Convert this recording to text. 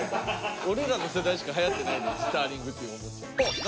俺らの世代しかはやってないねんジターリングっていうおもちゃ。